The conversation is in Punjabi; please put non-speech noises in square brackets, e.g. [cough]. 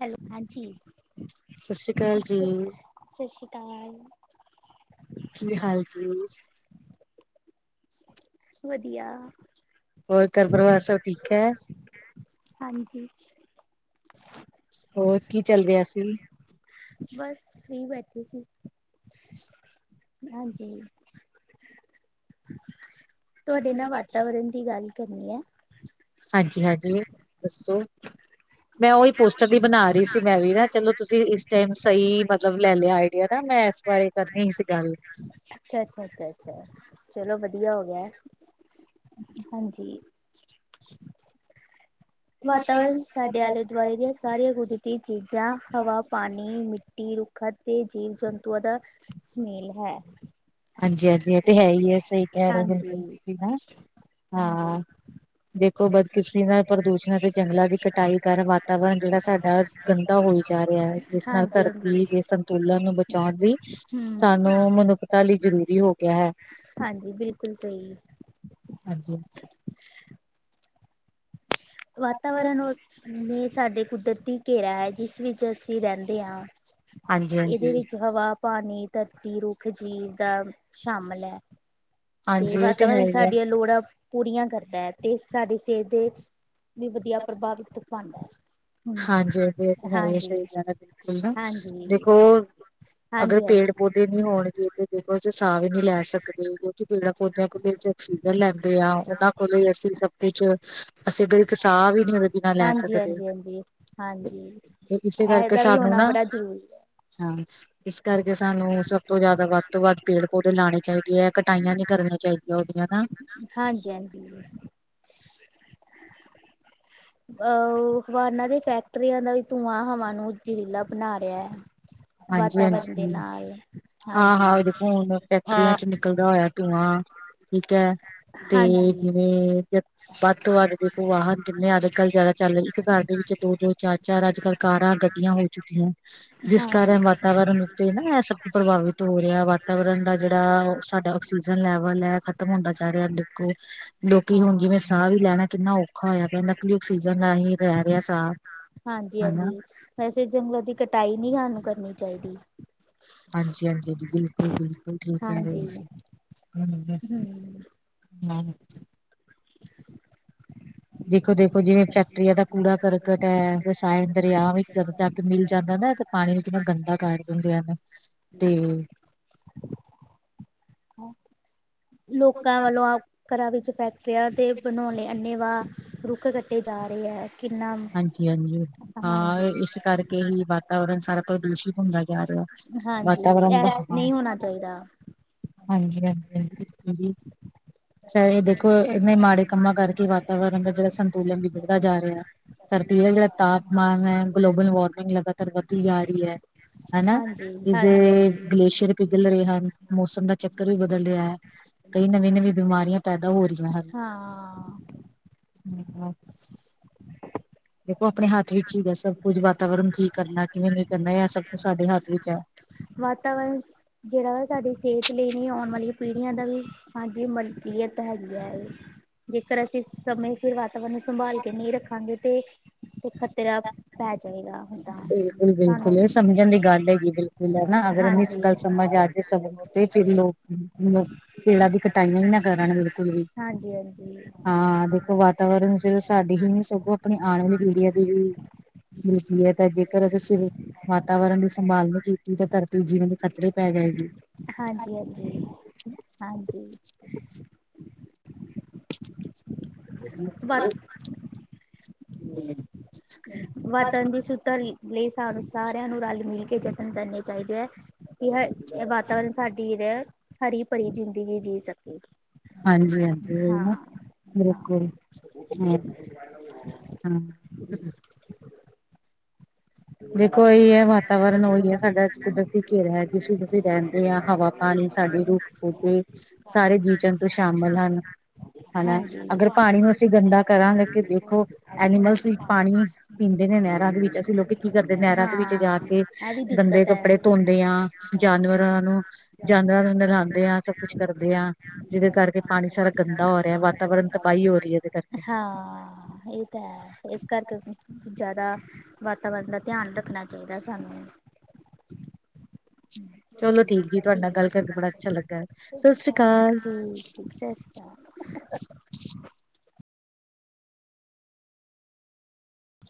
ਹੈਲੋ ਹਾਂਜੀ ਸ੍ਰੀ ਅਕਾਲ ਜੀ, ਸਤਿ ਸ਼੍ਰੀ ਅਕਾਲ। ਕੀ ਹਾਲ ਜੀ? ਵਧੀਆ। ਹੋਰ ਘਰ ਪਰਿਵਾਰ ਸਭ ਠੀਕ ਹੈ? ਹਾਂਜੀ। ਹੋਰ ਕੀ ਚੱਲ ਰਿਹਾ ਸੀ? ਬਸ। ਬੈਠੇ ਸੀ। ਹਾਂਜੀ। ਤੁਹਾਡੇ ਨਾਲ ਵਾਤਾਵਰਨ ਦੀ ਗੱਲ ਕਰਨੀ ਐ। ਹਾਂਜੀ ਹਾਂਜੀ ਦੱਸੋ। [unintelligible] ਮੈਂ ਉਹੀ ਅੱਛਾ ਪੋਸਟਰ ਦੀ ਬਣਾ ਰਹੀ ਸੀ ਮੈਂ ਵੀ ਨਾ ਚਲੋ ਤੁਸੀਂ ਇਸ ਟਾਈਮ ਸਹੀ ਮਤਲਬ ਲੈ ਲਿਆ ਆਈਡੀਆ ਨਾ ਮੈਂ ਇਸ ਬਾਰੇ ਕਰਨੀ ਸੀ ਗੱਲ। ਅੱਛਾ ਅੱਛਾ ਅੱਛਾ ਚਲੋ ਵਧ ਧੀਆ ਹੋ ਗਿਆ। ਹਾਂਜੀ। ਵਾਤਾਵਰਨ ਸਾਡੇ ਆਲੇ ਦੁਆਲੇ ਦੀਆਂ ਸਾਰੀਆਂ ਕੁਦਰਤੀ ਚੀਜ਼ਾਂ ਹਵਾ ਪਾਣੀ ਮਿੱ ਕੀ ਰੁੱਖਾ ਤੇ ਜੀਵ ਜੰਤੂਆਂ ਦਾ ਸੁਮੇਲ ਹੈ। ਹਾਂਜੀ ਹਾਂਜੀ ਇਹ ਤੇ ਹੈ ਹੀ ਏ। ਸਹੀ ਕਹਿ ਰਹੇ ਹੋ ਹਾਂਜੀ ਤੁਸੀ ਨਾ ਹਾਂਜੀ ਹਾਂ। ਦੇਖੋ ਬਦਕਿਸ਼ਮੀ ਨਾਲ ਪ੍ਰਦੂਸ਼ ਸ਼ਨੀ ਅਤੇ ਜੰਗਲਾਂ ਦੀ ਕਟਾਈ ਕਾਰਨ ਵਾਤਾਵਰਨ ਜਿਹੜਾ ਸਾਡਾ ਗੰਦਾ ਹੋਈ ਜਾ ਰਿਹਾ ਹੈ ਜਿਸ ਨਾਲ ਧਰਤੀ ਦੇ ਸੰਤੁਲਨ ਨੂੰ ਬਚਾਉਣ ਲਈ ਸਾਨੂੰ ਮਨੁੱਖ ਹਾਂਜੀ ਬਿਲਕੁਲ ਸਹੀ ਅਜੇ [inaudible] ਵਾਤਾਵਰਨ ਸਾਡੇ ਕੁਦਰਤੀ ਘੇਰਾ ਹੈ ਜਿਸ ਵਿੱਚ ਅਸੀਂ ਰਹਿੰਦੇ ਹਾਂ ਹਾਂਜੀ, ਇਹਦੇ ਹਾਂਜੀ, ਵਿੱਚ ਹਵਾ ਪਾਣੀ ਧਰਤੀ ਰੁੱਖ ਜੀ ਦਾ ਸ਼ਾਮਿਲ ਹੈ। ਤੇ ਹਾਂਜੀ ਇਹ ਹੈ ਵਾਤਾਵਰਨ ਹੀ ਹੈ। ਸਾਡੀਆਂ ਲੋੜਾਂ ਪੂਰੀਆਂ ਕਰਦਾ ਹੈ ਤੇ ਸਾਡੀ ਸਿਹਤ ਦੇ ਵੀ ਵਧੀਆ ਪ੍ਰਭਾਵਿ ਪਾਉਂਦਾ ਹੈ। ਹਮ ਹਾਂਜੀ ਬਿਲਕੁਲ ਸਹੀ ਹਾਂਜੀ ਕਿਹਾ ਦੇਖੋ ਨਾ ਹਾਂਜੀ ਦਖੋਰ ਅਗਰ ਹਾਂਜੀ ਹਾਂਜੀ ਪੇੜ ਪੌਦੇੇ ਨੀ ਹੋਣਗੇ ਤੇ ਦੇਖੋ ਅਸੀਂ ਸਾਹ ਵੀ ਨਹੀਂ ਲੈ ਸਕਦੇ ਪੇੜਾਂ ਪੌਦਿਆਂ ਆਕਸੀਜਨ ਲੈਂਦੇ ਆ ਉਹਨਾਂ ਕੋਲ ਅਸੀਂ ਸਭ ਕੁਛ ਅਸੀਂ ਕਿਸਾਨ ਆ ਵੀ ਨੀ ਉਹਦੇ ਬਿਨਾਂ ਲੈ ਹਾਂਜੀ ਸਕਦੇ ਹਾਂਜੀ ਹਾਂਜੀ ਹਾਂਜੀ ਤੇ ਇਸੇ ਕਰਕੇ ਇਹਦਾ ਵੀ ਸਾਨੂੰ ਹੋਣਾ ਨਾ ਬੜਾ ਜ਼ਰੂਰੀ ਹੈ ਹਾਂ ਇਸ ਕਰਕੇ ਸਾਨੂੰ ਸਭ ਤੋਂ ਜ਼ਿਆਦਾ ਵੱਧ ਤੋਂ ਵੱਧ ਪੇੜ ਪੌਦੇ ਲਾਉਣੇ ਚਾਹੀਦੇ ਹੈ ਕਟਾਈਆਂ ਨੀ ਕਰਨੀਆਂ ਚਾਹੀਦੀਆਂ ਉਹਦੀਆਂ ਨਾ ਹਾਂਜੀ ਹਾਂਜੀ ਅਹ ਅਵਾਨਾ ਦੇ ਫੈਕਟਰੀਆਂ ਦਾ ਵੀ ਧੂੰਆਂ ਹਵਾ ਨੂੰ ਜਰੀਲਾ ਬਣਾ ਰਿਹਾ ਹੈ। ਹਾਂਜੀ ਵਾਤਾਵਰਨ ਦੇ ਹਾਂਜੀ ਨਾਲ ਹਾਂ ਹਾਂਜੀ ਹਾਂ ਦੇਖੋ ਹੁਣ ਫੈਕਟਰੀਆਂ ਚ ਨਿਕਲਦਾ ਹੋਇਆ ਧੂੰਆਂ ਠੀਕ ਹੈ ਤੇ ਹਾਂਜੀ ਜਿਵੇਂ ਜ ਵਦ ਤੋਂ ਵਦ ਦੇਖੋ ਵਾਹਨ ਕਿੰਨੇ ਅੱਜ ਕੱਲ੍ਹ ਜ਼ਿਆਦਾ ਚੱਲ ਰਹੇ ਹਨ ਇੱਕ ਸਾਡੇ ਦੋ ਦੋ ਚਾਰ ਚਾਰ ਅੱਜ ਕੱਲ ਕਾਰਾਂ ਗੱਡੀਆਂ ਹੋ ਚੁੱਕੀਆਂ ਜਿਸ ਹਾਂਜੀ ਕਾਰਨ ਵਾਤਾਵਰਨ ਤੇ ਨਾ ਇਹ ਸਭ ਪ੍ਰਭਾਵਿਤ ਹੋ ਰਿਹਾ ਵਾਤਾਵਰਨ ਦਾ ਜਿਹੜਾ ਸਾਡਾ ਆਕਸੀਜਨ ਲੈਵਲ ਹੈ ਖਤਮ ਹੁੰਦਾ ਜਾ ਰਿਆ ਦੇਖੋ ਲੋਕੀ ਹੁਣ ਹਾਂ ਜਿਵੇਂ ਸਾਹ ਵੀ ਲੈਣਾ ਕਿੰਨਾ ਔਖਾ ਹੋਇਆ ਪਿਆ ਨਕਲੀ ਆਔਕਸੀਜਨ ਨਾਲ ਹੀ ਰਹਿ ਕਰਿਆ ਸਾ ਹਾਂਜੀ ਹਾਂਜੀ ਵੈਸੇ ਜੰਗਲ ਦੀ ਕਟਾਈ ਨਹੀਂ ਹਨੂ ਕਰਨੀ ਚਾਹੀਦੀ ਹਾਂਜੀ ਹਾਂਜੀ ਬਿਲਕੁਲ ਬਿਲਕੁਲ ਠੀਕ ਕਹਿ ਰਹੇ ਹਾਂਜੀ ਨਹੀਂ ਹਮ ਦੇਖੋ ਦੇਖੋ ਜਿਵੇਂ ਫੈਕਟਰੀਆਂ ਦਾ ਕੂੜਾ ਕਰਕਟ ਹੈ ਰਸਾਇਣ ਦਰਿਆ ਵੀ ਜਿਆਦਾ ਜਾ ਮਿਲ ਜਾਂਦਾ ਪਾਣੀ ਵਿੱਚ ਗੰਦਾ ਕਰ ਦਿੰਦੇ ਨੇ ਤੇ ਲੋਕਾਂ ਵੱਲੋਂ ਆ ਘਰਾ ਵਿੱਚ ਫੈਕਟਰੀਆਂ 'ਤੇ ਬਣਾਉਣੇ ਅੰਨੇ ਵਾਹ ਰੁੱਖ ਕੱਟੇ ਜਾ ਰਹੇ ਹੈ। ਕਿੰਨਾ ਹਾਂਜੀ ਹਾਂਜੀ ਹਾਂ ਹਾਂਜੀ ਇਸ ਕਰਕੇ ਹੀ ਵਾਤਾਵਰਨ ਸਾਰਾ ਪ੍ਰਦੂਸ਼ਿਤ ਹੁੰਦਾ ਜਾ ਰਿਹਾ ਹਾਂਜੀ ਵਾਤਾਵਰਨ ਦਾ ਇਹ ਹਾਂ ਨਹੀਂ ਹਾਂਜੀ ਹੋਣਾ ਚਾਹੀਦਾ ਹਾਂਜੀ ਹਾਂਜੀ ਹਾਂਜੀ ਇਹ ਦੇਖੋ ਇਹਨੇ ਮਾੜੇ ਕੰਮਾਂ ਕਰਕੇ ਵਾਤਾਵਰਨ ਦਾ ਜਿਹੜਾ ਸੰਤੁਲਨ ਵੀ ਵੱਧਦਾ ਜਾ ਰਿਹਾ ਸਰਦੀ ਦਾ ਤਾਪਮਾਨ ਹੈ ਗਲੋਬਲ ਵਾਰਮਿੰਗ ਲਗਾਤਾਰ ਵੱਧਦੀ ਜਾ ਰਹੀ ਹੈ। ਹਨਾ ਹਾਂਜੀ ਹਾਂਜੀ ਇਹਦੇ ਹਾਂਜੀ ਗਲੇਸ਼ੀਅਰ ਪਿਘਲ ਰਹੇ ਹਨ ਮੌਸਮ ਦਾ ਚੱਕਰ ਵੀ ਬਦਲ ਰਿਹਾ ਹੈ ਕਈ ਨਵੀਂ ਨਵੀਂ ਬਿਮਾਰੀਆਂ ਪੈਦਾ ਹੋ ਰਹੀਆਂ ਹਨ। ਹਾਂ ਠੀਕ ਹੈ ਦੇਖੋ ਆਪਣੇ ਹੱਥ ਵਿੱਚ ਹੈ ਸਭ ਕੁਝ ਵਾਤਾਵਰਨ ਠੀਕ ਕਰਨਾ ਕਿਵੇਂ ਨਹੀਂ ਕਰਨਾ ਇਹ ਸਭ ਕੁਛ ਸਾਡੇ ਹੱਥ ਵਿੱਚ ਹੈ। ਵਾਤਾਵਰਨ ਜਿਹੜਾ ਵਾ ਸਾਡੀ ਸਿਹਤ ਲਈ ਨਹੀਂ ਪੀੜੀਆਂ ਦਾ ਵੀ ਸਾਂਝੀ ਮਲਕੀਅਤ ਹੈਗੀ ਹੈ ਜੇਕਰ ਅਸੀਂ ਸਮੇਂ ਸਿਰ ਉਨੂੰ ਸੰਭਾਲ ਕੇ ਨਹੀਂ ਰੱਖਾਂਗੇ ਤੇ ਪੱਤੇ ਦਾ ਪੈ ਜਾਏਗਾ ਹੁੰਦਾ ਬਿਲਕੁਲ ਸਾਨੂੰ ਬਿਲਕੁਲ ਇਹ ਸਮਝਣ ਦੀ ਗੱਲ ਹੈਗੀ ਬਿਲਕੁਲ ਹੈ ਨਾ ਅਗਰ ਇੰਨੀ ਹਾਂਜੀ। ਹਾਂਜੀ ਗੱਲ ਸਮਝ ਆ ਜਾਵੇ ਸਗੋਂ ਤੇ ਫਿਰ ਲੋਕ ਪੇੜਾਂ ਦੀ ਕਟਾਈਆਂ ਹੀ ਨਾ ਕਰਨ ਬਿਲਕੁਲ ਵੀ ਹਾਂਜੀ ਹਾਂ ਦੇਖੋ ਵਾਵਰਨ ਜਦੋਂ ਸਾਡੀ ਹੀ ਨੀ ਸਗੋਂ ਆਪਣੀ ਆਉਣ ਵਾਲੀ ਪੀੜੀਆਂ ਦੀ ਵੀ ਬਿਲ ਹੈ ਤਾਂ ਜੇਕਰ ਅਗ ਸਿਰ ਵਾਤਾਵਰਨ ਦੀ ਸੰਭਾਲ ਨਹੀਂ ਕੀਤੀ ਤਾਂ ਧਰਤੀ ਜੀਵਨ ਦੀ ਖਤ ਹਾਂਜੀ ਹਾਂਜੀ ਹਾਂਜੀ ਵਾ [inaudible] ਹਮ [inaudible] ਵਾਤਾਵਰਨ ਦੇ ਸੂੱਤਾ ਲਈ, ਲਈ ਸਾਨੂੰ ਸਾਰਿਆਂ ਨੂੰ ਰਲ-ਮਿਲ ਕੇ ਯਤਨ ਕਰਨੇ ਚਾਹੀਦੇ ਐ। ਕਿ ਹੈ, ਵਾਤਾਵਰਨ ਸਾਡੀ ਰਹਿ, ਹਰੀ-ਭਰੀ ਜ਼ਿੰਦਗੀ ਜੀ ਸਕੇ। ਹਾਂਜੀ-ਹਾਂਜੀ, ਓ ਹਾਂ ਨਾ '' ਹਾਂ। ਬਿਲਕੁਲ! ਹਮ-ਹਮ। ਦੇਖੋ ਓਹੀਹੀ ਹੈ, ਵਾਤਾਵਰਨ ਉਹੀ ਹੈ, ਸਾਡਾ ਕੁਦਰਤੀ ਘੇਰਾ ਐ, ਜਿਸ ਵਿੱਚ ਅਸੀਂ ਰਹਿੰਦੇ ਆਂ! ਹਵਾ-ਪਾਣੀ ਸਾਡੇ ਰੁੱਖ-ਪੌਦੇ! ਸਾਰੇ ਜੀਅ-ਜੰਤੂ ਸ਼ਾਮਿਲ ਹਨ। ਹਨਾ ਹਾਂਜੀ-ਹਾਂਜੀ, ਅਗਰ ਪਾਣੀ ਨੂੰ ਹ ਅਸੀਂ ਗੰਦਾ ਕਰਾਂਗੇ ਕਿ ਦੇਖੋ ਪਹਿ ਪਾਣੀ ਹ [unintelligible] ਇਹਨਾਂ ਨਹਿਰਾਂ ਦੇ ਵਿੱਚ ਅਸੀਂ ਲੋਕੀ ਕੀ ਕਰਦੇ! ਨਹਿਰਾਂ ਦੇ ਵਿੱਚ ਜਾ ਹਾਂ ਕੇ ਇਹ ਵੀ ਗੰਦੇ ਦਿੱਕਤ ਹੈ ਕੱਪੜੇ ਧੋਂਦੇ ਆ, ਜਾਨਵਰਾਂ ਨੂੰ ਜਾਂ ਅੰਦਰ ਲਾਂਦੇ ਆਂ, ਸਭ ਕੁੱਛ ਕਰਦੇ ਆਂ, ਜਿਹਦੇ ਕਰਕੇ ਪਾਣੀ ਸਾਰਾ ਗੰਦਾ ਹੋ ਰਿਆ, ਵਾਤਾਵਰਨ ਤਬਾਹੀ ਹੋ ਰਹੀ ਹੈ ਇਹਦੇ ਕਰਕੇ ਹਾਂ, ਇਹ ਤਾਂ ਹੈ! ਇਸ ਕਰਕੇ ਜਾ਼ਦਾ ਵਾਤਾਵਰਨ ਦਾ ਧਿਆਨ ਰੱਖਣਾ ਚਾਹੀਦਾ ਸਾਨੂੰ। ਚਲੋ ਠੀਕ ਜੀ, ਤੁਹਾਡੇ ਨਾਲ ਠੀਕ ਗੱਲ ਕਰਕੇ, ਠੀਕ ਬੜਾ ਅੱਛਾ ਲੱਗਾ ਸਸ੍ਰੀ ਕਾਲ। ਸਤਿ ਸ਼੍ਰੀ ਅਕਾਲ [inaudible] [inaudible]